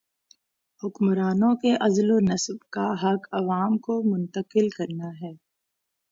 حکمرانوں کے عزل و نصب کا حق عوام کو منتقل کرنا ہے۔